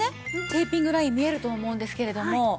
テーピングライン見えると思うんですけれども。